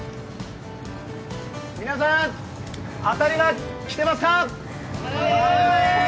皆さん、当たりが来てますか？